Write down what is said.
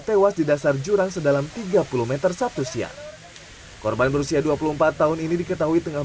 tewas di dasar jurang sedalam tiga puluh m sabtu siang korban berusia dua puluh empat tahun ini diketahui tengah